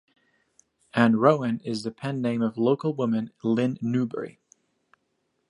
Anne Rouen is the pen name of local woman Lynn Newberry.